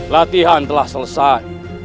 latihan telah selesai